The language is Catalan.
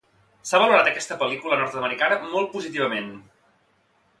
S'ha valorat aquesta pel·lícula nord-americana molt positivament.